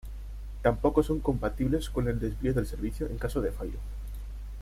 Tampoco son compatibles con el desvío del servicio en caso de fallo.